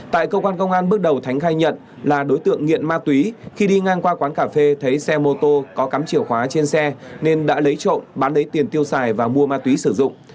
tại cơ quan công an bước đầu thánh khai nhận là đối tượng nghiện ma túy khi đi ngang qua quán cà phê thấy xe mô tô có cắm chìa khóa trên xe nên đã lấy trộm bán lấy tiền tiêu xài và mua ma túy sử dụng